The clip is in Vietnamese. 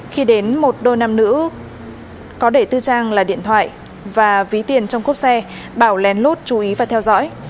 khi đến một đôi nam nữ có để tư trang là điện thoại và ví tiền trong cốc xe bảo lén lút chú ý và theo dõi